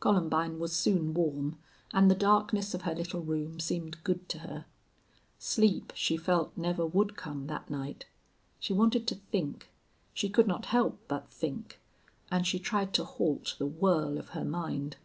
Columbine was soon warm, and the darkness of her little room seemed good to her. Sleep she felt never would come that night. She wanted to think; she could not help but think; and she tried to halt the whirl of her mind.